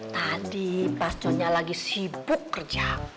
tadi pas conya lagi sibuk kerja